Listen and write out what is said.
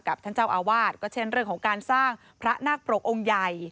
ท่านเจ้าอาวาสก็เช่นเรื่องของการสร้างพระนาคปรกองค์ใหญ่